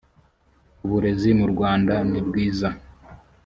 uburezi mu rwanda nibwiza